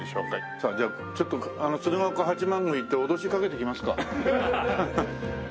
さあじゃあちょっとあの鶴岡八幡宮に行って脅しをかけてきますか。